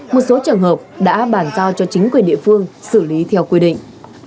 một số trường hợp đã bàn giao cho chính quyền địa phương xử lý theo quy định